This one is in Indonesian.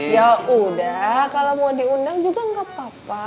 ya udah kalau mau diundang juga nggak apa apa